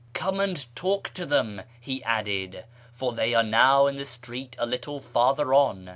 " Come and talk to them," he added, " for they are now in the street a little farther on."